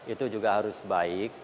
itu juga harus baik